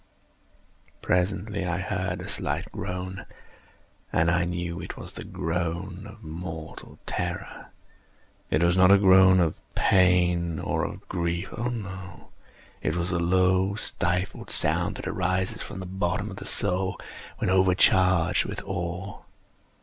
Presently I heard a slight groan, and I knew it was the groan of mortal terror. It was not a groan of pain or of grief—oh, no!—it was the low stifled sound that arises from the bottom of the soul when overcharged with awe.